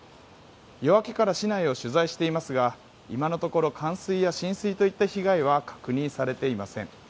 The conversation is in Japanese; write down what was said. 夜明けから市内を取材していますが今のところ冠水や浸水といった被害は確認されていません。